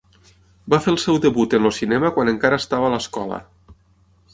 Va fer el seu debut en el cinema quan encara estava a l'escola.